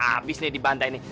abis nih di bandai nih